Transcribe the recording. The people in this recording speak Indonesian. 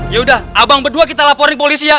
yaudah abang berdua kita laporin ke polisi ya